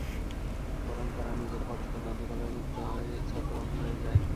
বরং তারা নিজেরা পরস্পর দ্বন্দ্ব-কলহে লিপ্ত হয়ে ছত্রভঙ্গ হয়ে যায়।